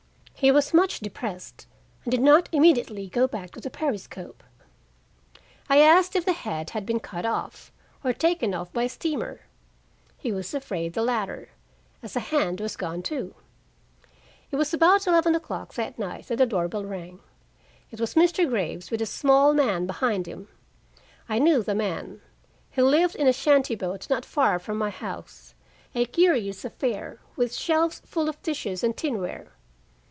He was much depressed, and did not immediately go back to the periscope. I asked if the head had been cut off or taken off by a steamer; he was afraid the latter, as a hand was gone, too. It was about eleven o'clock that night that the door bell rang. It was Mr. Graves, with a small man behind him. I knew the man; he lived in a shanty boat not far from my house a curious affair with shelves full of dishes and tinware.